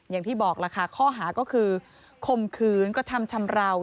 อย่างที่บอกล่ะค่ะข้อหาก็คือข่มขืนกระทำชำราว